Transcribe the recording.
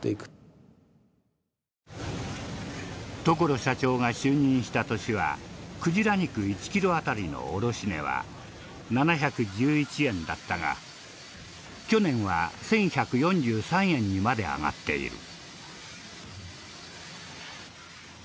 所社長が就任した年はクジラ肉１キロあたりの卸値は７１１円だったが去年は１１４３円にまで上がっている。